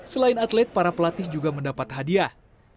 selain atlet para pelatih juga mendapat hadiah